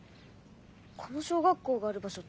この小学校がある場所